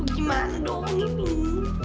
gimana dong lu tuh